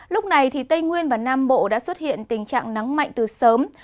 lúc này tây nguyên và nam bộ đã xuất hiện tình trạng nắng mạnh từ sớm